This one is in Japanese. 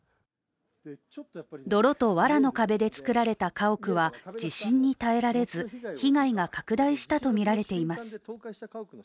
泥とわらの壁で造られた家屋は地震に耐えられず被害が拡大したとみられます。